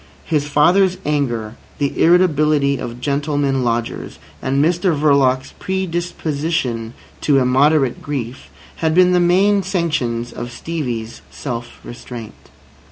His father's anger, the irritability of gentlemen lodgers, and Mr Verloc's predisposition to immoderate grief, had been the main sanctions of Stevie's self restraint.